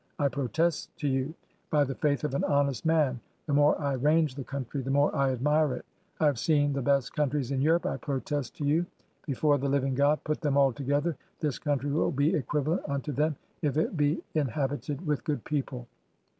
I protest to you, by the faith of an honest man, the more I range the country the more I admire it. I have seen the best countries in Europe; I protest to you, before the Living God, put them all together, this country will be equivalent unto them if it be inhabited with good people.